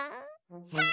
さあ！